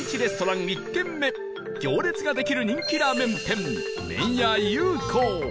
行列ができる人気ラーメン店